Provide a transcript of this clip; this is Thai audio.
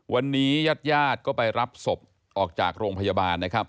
วันนี้ญาติญาติก็ไปรับศพออกจากโรงพยาบาลนะครับ